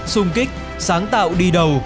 xung kích sáng tạo đi đầu